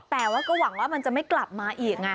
แต่ว่าก็หวังว่ามันจะไม่กลับมาอีกไง